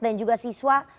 dan juga siswa